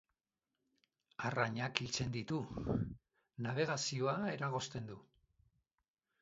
Arrainak hiltzen ditu, nabegazioa eragozten du...